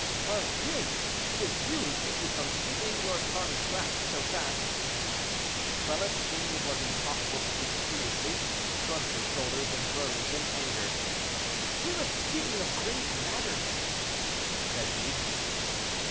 "Pardieu, it is you who keep me from sleeping, your tongue clacks so fast." Quelus, seeing it was impossible to speak seriously, shrugged his shoulders, and rose in anger. "We were speaking of grave matters," said he.